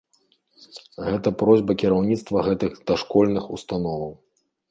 Гэта просьба кіраўніцтва гэтых дашкольных установаў.